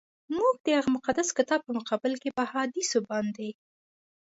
موږ د هغه مقدس کتاب په مقابل کي په احادیثو باندي.